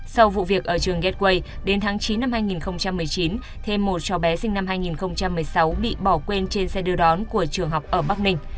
sau vụ việc ở trường gateway đến tháng chín năm hai nghìn một mươi chín thêm một cháu bé sinh năm hai nghìn một mươi sáu bị bỏ quên trên xe đưa đón của trường học ở bắc ninh